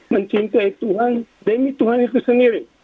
mencintai tuhan demi tuhan itu sendiri